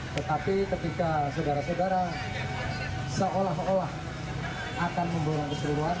tetapi ketika saudara saudara seolah olah akan memborong keseluruhan